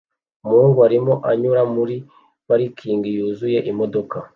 Umuhungu arimo anyura muri parikingi yuzuye imodoka